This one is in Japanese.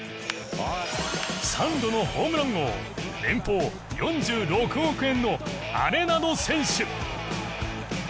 ３度のホームラン王年俸４６億円のアレナド選手。